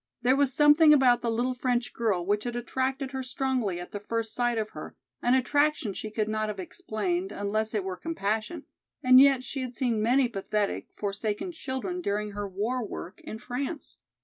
There was something about the little French girl which had attracted her strongly at the first sight of her, an attraction she could not have explained, unless it were compassion, and yet she had seen many pathetic, forsaken children during her war work in France.